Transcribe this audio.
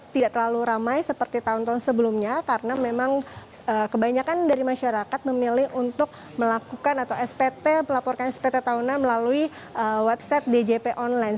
tidak terlalu ramai seperti tahun tahun sebelumnya karena memang kebanyakan dari masyarakat memilih untuk melakukan atau spt melaporkan spt tahunan melalui website djp online